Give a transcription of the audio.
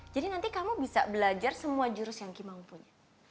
jadi nanti kamu bisa belajar semua jurus yang kimau punya